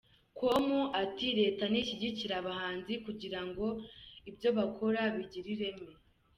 com ati "Leta nishyigikire abahanzi kugira ngo ibyo bakora bigire ireme.